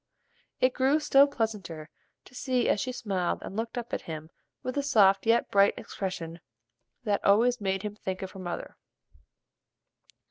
It grew still pleasanter to see as she smiled and looked up at him with the soft yet bright expression that always made him think of her mother.